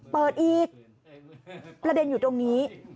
เปิดอีกประเด็นอยู่ตรงนี้